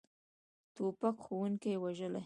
توپک ښوونکي وژلي.